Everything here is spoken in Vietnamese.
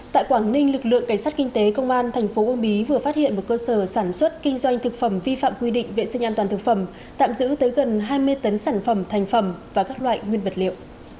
tại quảng ninh lực lượng cảnh sát kinh tế công an thành phố uông bí vừa phát hiện một cơ sở sản xuất kinh doanh thực phẩm vi phạm quy định vệ sinh an toàn thực phẩm tạm giữ tới gần hai mươi tấn sản phẩm thành phẩm và các loại nguyên vật liệu